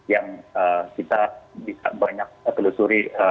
yang kita bisa banyak telusuri